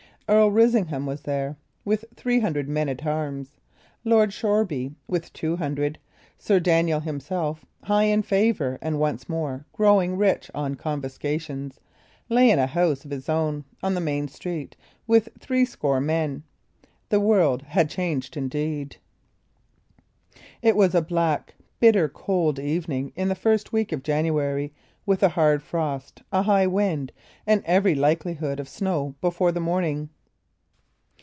Earl Risingham was there, with three hundred men at arms; Lord Shoreby, with two hundred; Sir Daniel himself, high in favour and once more growing rich on confiscations, lay in a house of his own, on the main street, with three score men. The world had changed indeed. It was a black, bitter cold evening in the first week of January, with a hard frost, a high wind, and every likelihood of snow before the morning.